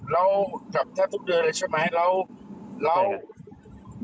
เรากลับแทบทุกเดือนเลยใช่ไหม